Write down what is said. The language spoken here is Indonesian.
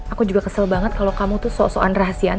aku juga kesel banget kalau kamu tuh soal rahasiaan